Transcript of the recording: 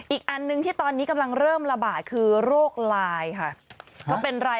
อีกอันหนึ่งที่ตอนนี้กำลังเริ่มระบาดคือโรคลายค่ะ